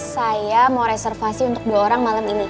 saya mau reservasi untuk dua orang malam ini